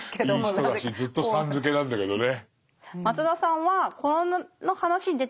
いい人だしずっと「さん」付けなんだけどね。